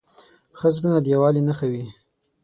ښه زړونه د یووالي نښه وي.